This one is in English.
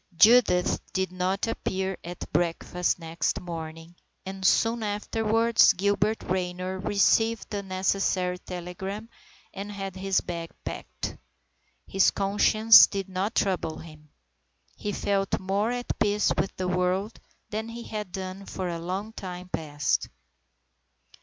IV JUDITH did not appear at breakfast next morning, and soon afterwards Gilbert Raynor received the necessary telegram and had his bag packed. His conscience did not trouble him. He felt more at peace with the world than he had done for a long time past.